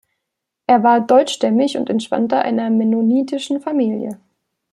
Er war deutschstämmig und entstammte einer mennonitischen Familie.